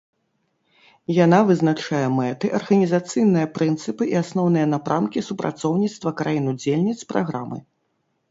Яна вызначае мэты, арганізацыйныя прынцыпы і асноўныя напрамкі супрацоўніцтва краін удзельніц праграмы.